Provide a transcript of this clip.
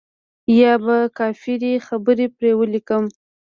يا به کفري خبرې پرې وليکم.